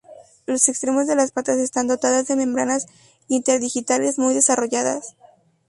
Los extremos de las patas están dotadas de membranas interdigitales muy desarrolladas.